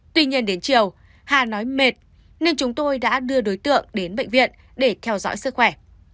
tuy nhiên đến chiều hà nói mệt nên chúng tôi đã đưa đối tượng đến bệnh viện để theo dõi sức khỏe